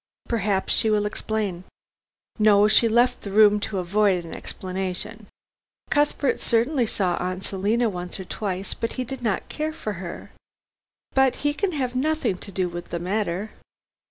"Perhaps she will explain." "No; she left the room to avoid an explanation. Cuthbert certainly saw Aunt Selina once or twice, but he did not care for her. But he can have nothing to do with the matter.